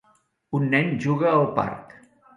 Un nen juga al parc.